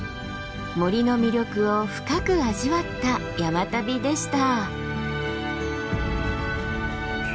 森の魅力を深く味わった山旅でした。